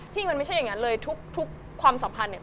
ที่มันไม่ใช่อย่างนั้นเลยทุกความสัมพันธ์เนี่ย